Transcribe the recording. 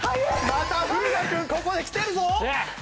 また風雅君ここできてるぞ！